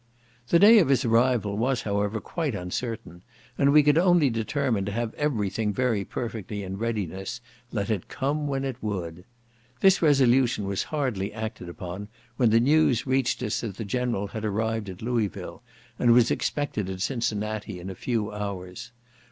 The day of his arrival was however quite uncertain, and we could only determine to have every thing very perfectly in readiness, let it come when it would. This resolution was hardly acted upon when the news reached us that the General had arrived at Louisville, and was expected at Cincinnati in a few hours.